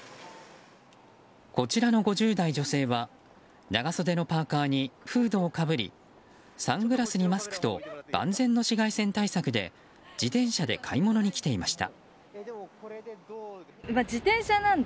こちらの５０代女性は長袖のパーカにフードをかぶりサングラスにマスクと万全の紫外線対策で、自転車で買い物に来ていました。